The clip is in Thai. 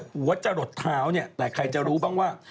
หัวจะหลดเท้าเนี่ยแต่ใครจะรู้บ้างว่า